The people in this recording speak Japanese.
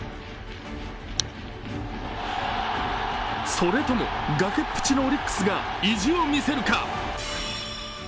それとも、崖っぷちのオリックスが意地を見せるか。